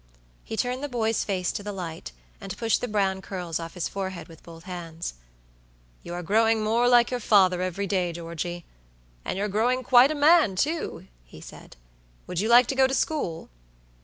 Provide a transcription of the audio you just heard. He turned the boy's face to the light, and pushed the brown curls off his forehead with both hands. "You are growing more like your father every day, Georgey; and you're growing quite a man, too," he said; "would you like to go to school?"